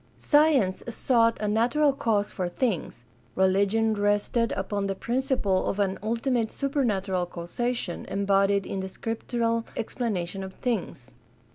Science sought a natural cause for things; religion rested upon the principle of an ultimate supernatural causation embodied in the scriptural explanation of things.